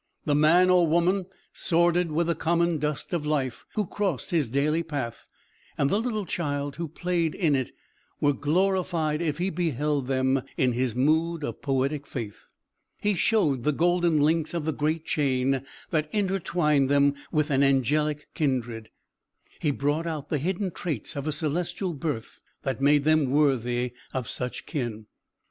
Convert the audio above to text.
The man or woman, sordid with the common dust of life, who crossed his daily path, and the little child who played in it, were glorified if he beheld them in his mood of poetic faith. He showed the golden links of the great chain that intertwined them with an angelic kindred; he brought out the hidden traits of a celestial birth that made them worthy of such kin.